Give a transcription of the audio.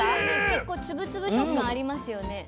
結構つぶつぶ食感ありますよね。